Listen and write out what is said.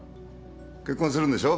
結婚するんでしょ？